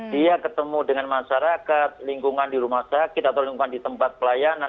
dia ketemu dengan masyarakat lingkungan di rumah sakit atau lingkungan di tempat pelayanan